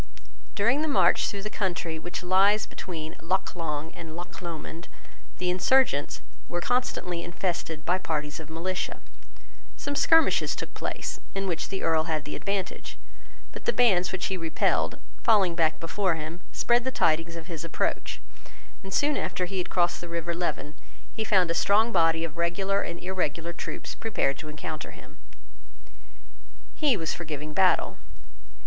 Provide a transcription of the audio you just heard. During the march through the country which lies between Loch Long and Loch Lomond, the insurgents were constantly infested by parties of militia. Some skirmishes took place, in which the Earl had the advantage; but the bands which he repelled, falling back before him, spread the tidings of his approach, and, soon after he had crossed the river Leven, he found a strong body of regular and irregular troops prepared to encounter him. He was for giving battle.